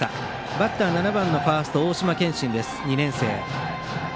バッターは７番ファーストの大島健真、２年生。